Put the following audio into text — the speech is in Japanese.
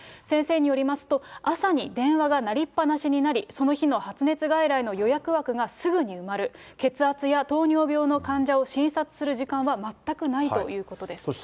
先生によりますと、朝に電話が鳴りっ放しになり、その日の発熱外来の予約枠がすぐに埋まる、血圧や糖尿病の患者を診察する時間は全くないということです。